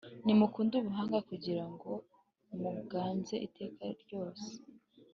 nimukunde Ubuhanga kugira ngo muganze iteka ryose.